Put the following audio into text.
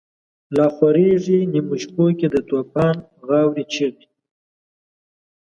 لا خوریږی نیمو شپو کی، دتوفان غاوری چیغی